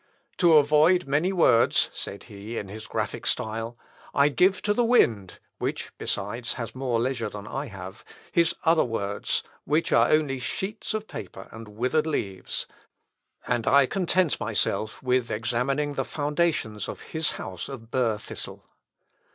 "To avoid many words," said he, in his graphic style, "I give to the wind (which, besides, has more leisure than I have) his other words, which are only sheets of paper and withered leaves; and I content myself with examining the foundations of his house of bur thistle.